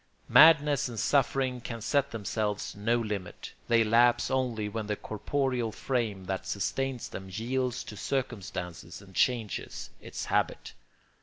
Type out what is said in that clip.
Madness and suffering can set themselves no limit; they lapse only when the corporeal frame that sustains them yields to circumstances and changes its habit.